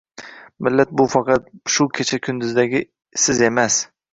Millat bu faqat shu kecha kunduzdagi siz enas.